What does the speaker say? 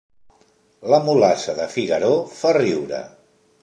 La mulassa de Figaró fa riure